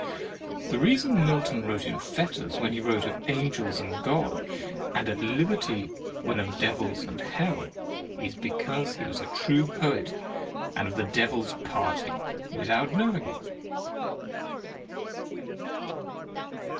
— The reason Milton wrote in fetters when he wrote of Angels and God, and at Uberty when of Devils and Hell, is because he was a true poet, and of the Devil's party without knowing it.